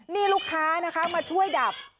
นี่ลูกค้านะคะมาช่วยดับ